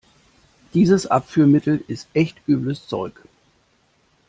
Dieses Abführmittel ist echt übles Zeug.